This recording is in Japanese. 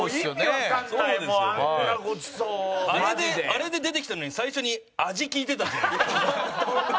あれで出てきたのに最初に味聞いてたじゃないですか。